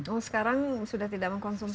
oh sekarang sudah tidak mengkonsumsi